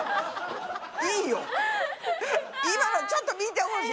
今のちょっと見てほしい。